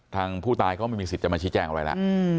ทางผู้ตายก็ไม่มีสิทธิ์จะมาชี้แจงอะไรแล้ว